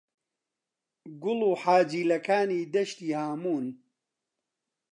«گوڵ و حاجیلەکانی دەشتی هاموون»